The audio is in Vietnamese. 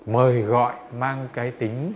mời gọi mang cái tính